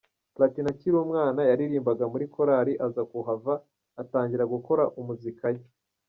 Platini akiri umwana yaririmbaga muri Korari aza kuhava atangira gukora muzika ye.